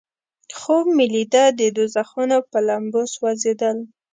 خوب مې لیده د دوزخونو په لمبو سوځیدل.